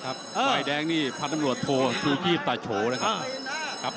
ไฟแดงนี่พันธุ์นำรวจโทรซูชิตาโฉนะครับ